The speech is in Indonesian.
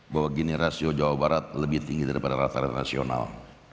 bahwa gini rasio jawa barat lebih tinggi daripada rata rata rasional